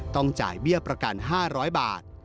ต้องจ่ายเบี้ยประกัน๕๐๐บาท